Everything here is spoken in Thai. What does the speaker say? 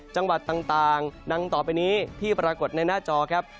จังหวัดต่างดังต่อไปนี้ที่ปรากฏในหน้าจอครับ